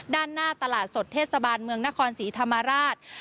ด้านหน้าตลาดสดเทศบาลเมืองนครศรีธรรมราช